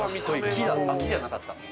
木じゃなかった。